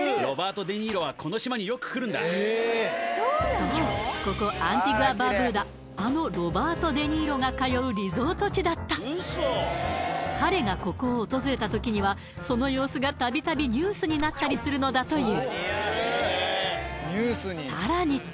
そうここアンティグア・バーブーダあのロバート・デ・ニーロが通うリゾート地だった彼がここを訪れた時にはその様子が度々ニュースになったりするのだという